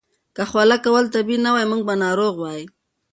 که خوله کول طبیعي نه وای، موږ به ناروغ وای.